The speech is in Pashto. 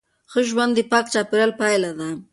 ښه ژوند د پاک چاپیریال پایله ده.